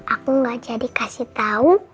aku nggak jadi kasih tau